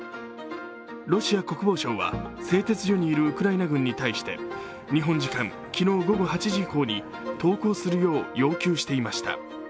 ロシア国防省は、製鉄所にいるウクライナ軍に対して日本時間、昨日午後８時以降に投稿するよう要求していました。